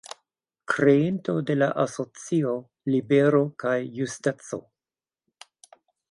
Kreinto de la asocio "Libero kaj Justeco".